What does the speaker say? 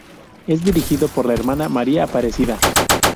Es dirigido por la hermana María Aparecida.